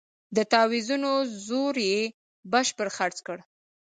د تاویزونو زور یې بشپړ خرڅ کړ.